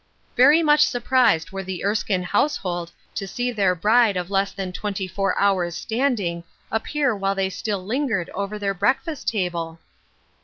Very much surprised were the Erskine house hold to see their bride of less than twenty four hours' standing appear while they still lingered over their breakfast table